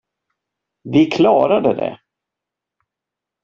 Vi klarade det!